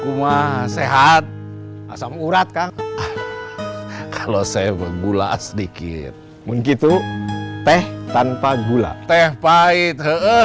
rumah sehat asam urat kan kalau saya bergula sedikit begitu teh tanpa gula teh pahit